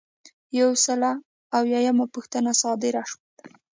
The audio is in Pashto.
یو سل او اویایمه پوښتنه صادره ده.